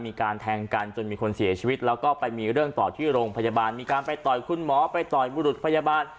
มีการแทงกันจนมีคนเสียชีวิตแล้วก็ไปมีเรื่องต่อที่โรงพยาบาลมีการไปต่อยคุณหมอไปต่อยบุรุษพยาบาล